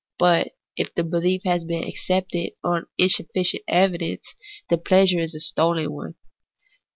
But if the behef has been accepted on insufiicient evidence, the pleasure is a stolen one.